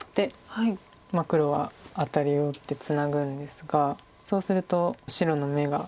黒はアタリを打ってツナぐんですがそうすると白の眼が。